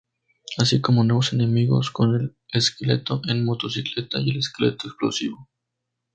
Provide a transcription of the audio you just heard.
Así como nuevos enemigos como el esqueleto en motocicleta y el esqueleto explosivo.